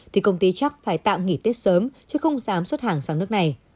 thì công ty chắc phải tạm nghỉ tết sớm chứ không dám xuất hàng sang nước này